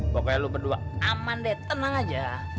pokoknya lu berdua aman deh tenang aja